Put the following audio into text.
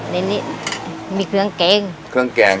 ในนี้มีเครื่องแกง